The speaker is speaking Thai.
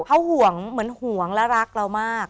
เขาห่วงเหมือนห่วงและรักเรามาก